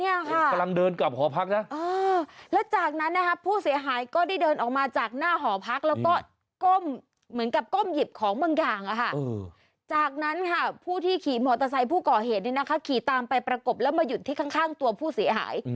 กำลังเดินกลับหอพักนะแล้วจากนั้นนะครับผู้เสียหายก็ได้เดินออกมาจากหน้าหอพักแล้วก็ก้มเหมือนกับก้มหยิบของบางอย่างจากนั้นค่ะผู้ที่ขี่มอเตอร์ไซค์ผู้ก่อเหตุเนี่ยนะคะขี่ตามไปประกบแล้วมาหยุดที่ข้างตัวผู้เสียหาย